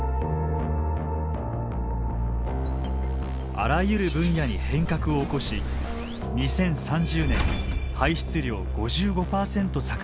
あらゆる分野に変革を起こし２０３０年排出量５５％削減を目指しています。